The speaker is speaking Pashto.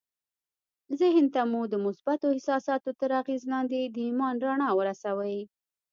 ذهن ته مو د مثبتو احساساتو تر اغېز لاندې د ايمان رڼا ورسوئ.